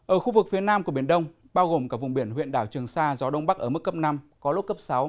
ở khu vực phía nam của biển đông bao gồm cả vùng biển huyện đảo trường sa gió đông bắc ở mức cấp năm có lúc cấp sáu